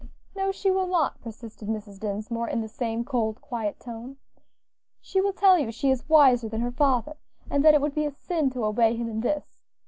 "No, she will not," persisted Mrs. Dinsmore, in the same cold, quiet tone; "she will tell you she is wiser than her father, and that it would be a sin to obey him in this.